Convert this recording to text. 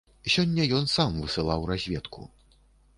Сёння ён сам высылаў разведку.